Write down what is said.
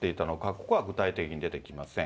ここは具体的に出てきません。